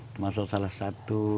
termasuk salah satu